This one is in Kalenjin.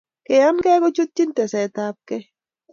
Keyankei kochutchin tesetapkei